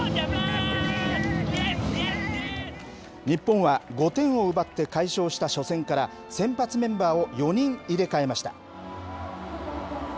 日本は５点を奪って快勝した初戦から、先発メンバーを４人入れ替えました。